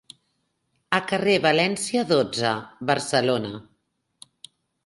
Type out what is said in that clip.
A Carrer València dotze, Barcelona.